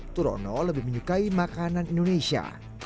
turono lebih menyukai makanan indonesia